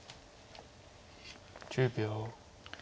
１０秒。